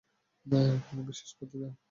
কোনো বিশেষ প্রতিভা?